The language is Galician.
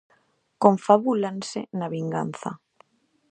Confabúlanse na vinganza.